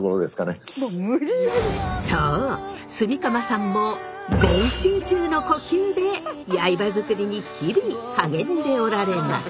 そう炭竈さんも全集中の呼吸で刃作りに日々励んでおられます。